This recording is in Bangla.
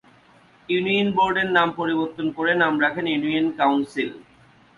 ইউনিয়ন বোর্ডের নাম পরিবর্তন করে নাম রাখেন ইউনিয়ন কাউন্সিল।